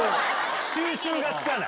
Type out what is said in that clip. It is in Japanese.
収拾がつかない。